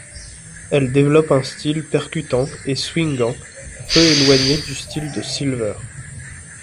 Elle développe un style percutant et swinguant, peu éloigné du style de Silver.